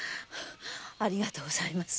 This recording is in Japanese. ありがとうございます。